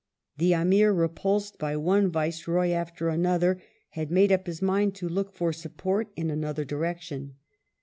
The Amir, repulsed by one Viceroy after another, had made up his mind to look for support in another direction.